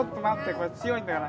これ強いんだよな。